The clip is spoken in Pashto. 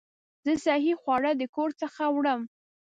زه صحي خواړه د کور څخه وړم.